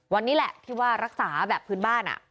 วันนี้แหละที่ว่ารักษาแบบพื้นบ้าน